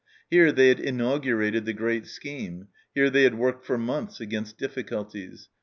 Here they had inaugurated the great scheme, here they had worked for months against difficulties.